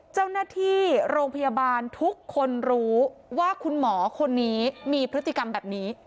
เจ้าหน้าที่โรงพยาบาลทุกคนรู้ว่าคุณหมอคนนี้มีพฤติกรรมแบบนี้